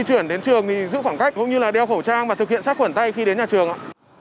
chuyển đến trường thì giữ khoảng cách cũng như là đeo khẩu trang và thực hiện sát khuẩn tay khi đến nhà trường